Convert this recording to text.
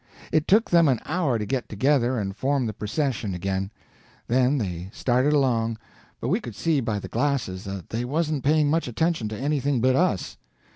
It took them an hour to get together and form the procession again; then they started along, but we could see by the glasses that they wasn't paying much attention to anything but us.